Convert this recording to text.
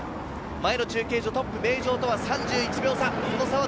前の中継所、トップ・名城とは３１秒差。